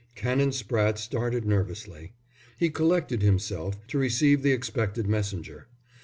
Canon Spratte started nervously. He collected himself to receive the expected messenger.